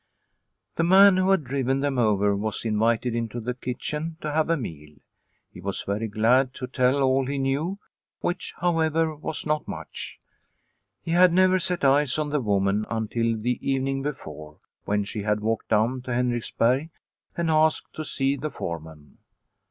The man who had driven them over was invited into the kitchen to have a meal. He was very glad to tell all he knew, which how ever was not much. He had never set eyes on the woman until the evening before, when she had walked down to Henriksberg and asked to see the foreman.